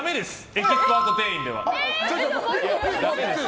エキスパート店員では。